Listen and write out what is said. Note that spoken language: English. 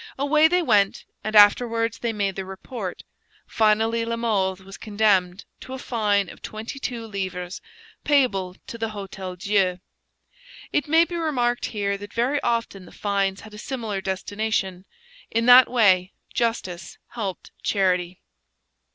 Away they went; and afterwards they made their report. Finally La Mothe was condemned to a fine of twenty two livres, payable to the Hotel Dieu. It may be remarked here that very often the fines had a similar destination; in that way justice helped charity.